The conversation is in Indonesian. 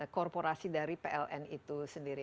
korporasi dari pln itu sendiri